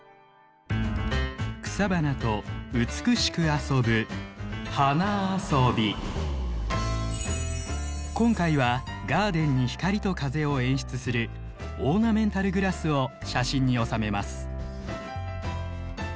草花と美しく遊ぶ今回はガーデンに光と風を演出するオーナメンタルグラスを写真に収めます。